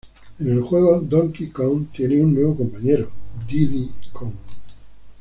En el juego, Donkey Kong tiene un nuevo compañero, Diddy Kong.